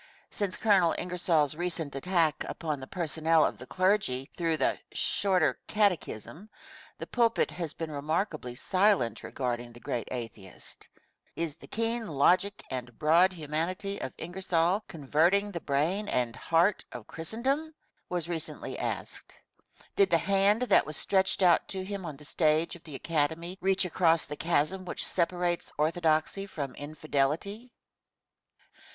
Since Colonel Ingersoll's recent attack upon the personnel of the clergy through the "Shorter Catechism" the pulpit has been remarkably silent regarding the great atheist. "Is the keen logic and broad humanity of Ingersoll converting the brain and heart of Christendom?" was recently asked. Did the hand that was stretched out to him on the stage of the Academy reach across the chasm which separates orthodoxy from infidelity?